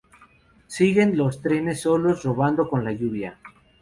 Siguen los trenes solos rodando con la lluvia.